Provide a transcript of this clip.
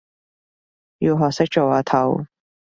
要學識做阿頭